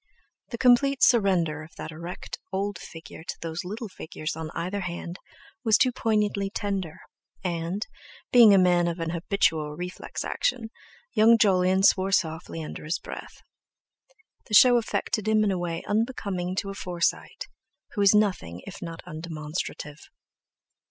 The complete surrender of that erect old figure to those little figures on either hand was too poignantly tender, and, being a man of an habitual reflex action, young Jolyon swore softly under his breath. The show affected him in a way unbecoming to a Forsyte, who is nothing if not undemonstrative.